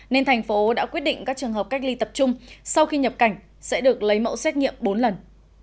nên thành phố đã quyết định các trường hợp cách ly tập trung sau khi nhập cảnh sẽ được lấy mẫu xét nghiệm bốn lần